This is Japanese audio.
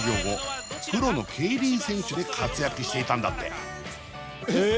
プロの競輪選手で活躍していたんだってえ！